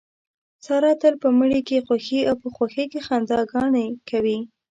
ساره تل په مړي کې خوښي او په خوښۍ کې خندا ګانې کوي.